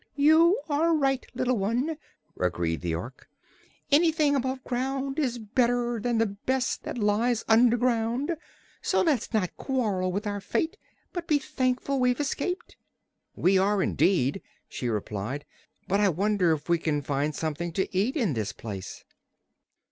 "You are right, little one," agreed the Ork. "Anything above ground is better than the best that lies under ground. So let's not quarrel with our fate but be thankful we've escaped." "We are, indeed!" she replied. "But I wonder if we can find something to eat in this place?"